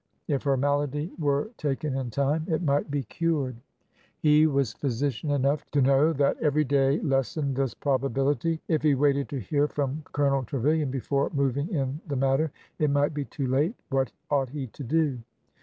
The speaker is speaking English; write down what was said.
If her malady were taken in time, it might be cured. He was physician enough to know that every day lessened this probability. If he waited to hear from Colo nel Trevilian before moving in the matter, it might be too late. What ought he to do?